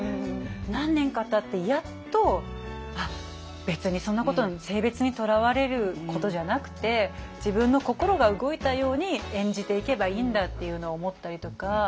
何年かたってやっとあっ別にそんなこと性別にとらわれることじゃなくて自分の心が動いたように演じていけばいいんだっていうのを思ったりとか。